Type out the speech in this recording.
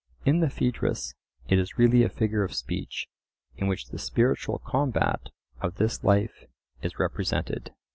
In the Phaedrus it is really a figure of speech in which the "spiritual combat" of this life is represented.